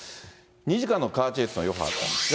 ２時間のカーチェイスの余波なんですが。